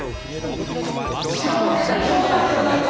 血を分けた兄弟ではないか！